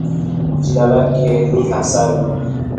Jina lake ni Hasani